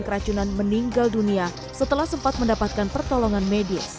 keracunan meninggal dunia setelah sempat mendapatkan pertolongan medis